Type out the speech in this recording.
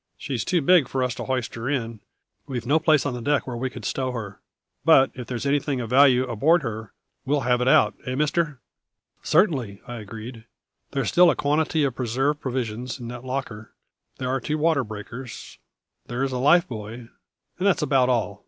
She's too big for us to hoist her in; we've no place on deck where we could stow her. But if there's anything of value aboard her we'll have it out, eh, mister?" "Certainly," I agreed. "There is still a quantity of preserved provisions in that locker; there are the two water breakers; there is a life buoy and that is about all.